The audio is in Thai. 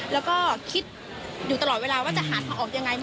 แล้วก็คิดอยู่ตลอดเวลาว่าจะหาทางออกยังไง